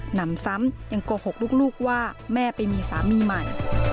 นำซ้ำยังโกหกลูกว่าแม่ไปมีสามีใหม่